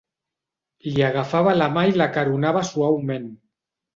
Li agafava la mà i l'acaronava suaument.